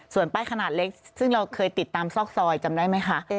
ส่วนป้ายขนาดเล็กซึ่งเราเคยติดตามซอกซอยจำได้ไหมคะ